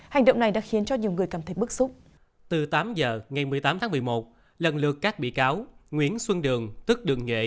hành động này đã khiến cho nhiều người cảm thấy bức xúc